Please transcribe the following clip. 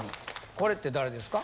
これって誰ですか？